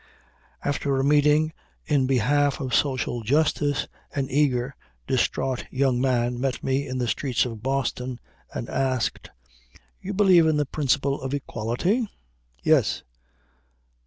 After a meeting in behalf of Social Justice, an eager, distraught young man met me, in the streets of Boston, and asked: "You believe in the principle of equality?" "Yes."